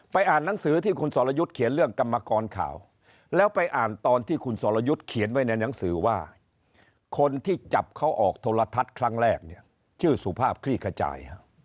อ่านหนังสือที่คุณสรยุทธ์เขียนเรื่องกรรมกรข่าวแล้วไปอ่านตอนที่คุณสรยุทธ์เขียนไว้ในหนังสือว่าคนที่จับเขาออกโทรทัศน์ครั้งแรกเนี่ยชื่อสุภาพคลี่ขจาย